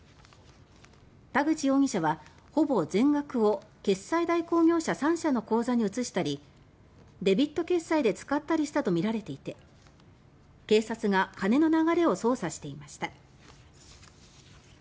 田口容疑者はほぼ全額を決済代行業者３社の口座に移したりデビット決済で使ったりしたとみられていて警察が金の流れを捜査していました。